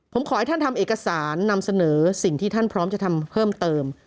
ผมขอให้ท่านทำเอกสารนำเสนอสิ่งที่ท่านพร้อมจะทำเพิ่มเติม